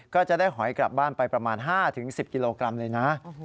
ก็จะได้หอยกลับบ้านไปประมาณ๕๑๐กิโลกรัมเลยนะ